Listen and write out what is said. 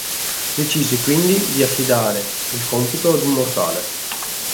Decise quindi di affidare il compito ad un mortale.